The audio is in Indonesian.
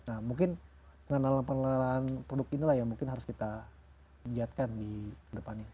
nah mungkin dengan penelan penelan produk ini lah ya mungkin harus kita jadikan di depannya